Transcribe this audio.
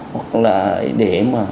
hoặc là để mà